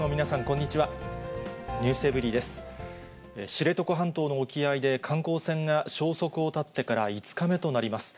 知床半島の沖合で、観光船が消息を絶ってから５日目となります。